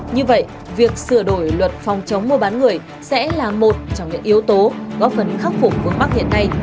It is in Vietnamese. như vậy việc sửa đổi luật phòng chống mua bán người sẽ là một trong những yếu tố góp phần khắc phục vương mắc hiện nay